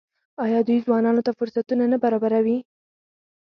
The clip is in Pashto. آیا دوی ځوانانو ته فرصتونه نه برابروي؟